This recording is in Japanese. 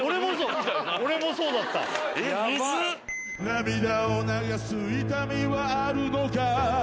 涙を流す痛みはあるのかい？